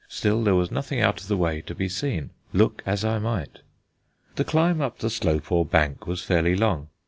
Still, there was nothing out of the way to be seen, look as I might. The climb up the slope or bank was fairly long.